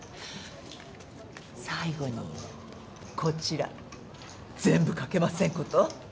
最後にこちら全部賭けませんこと？